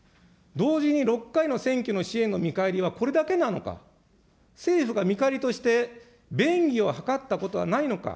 同時に６回の選挙の支援の見返りはこれだけなのか、政府が見返りとして、便宜を図ったことはないのか。